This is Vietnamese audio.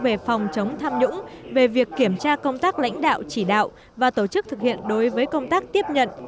về phòng chống tham nhũng về việc kiểm tra công tác lãnh đạo chỉ đạo và tổ chức thực hiện đối với công tác tiếp nhận